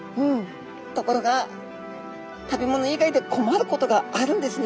ところが食べ物以外で困ることがあるんですね。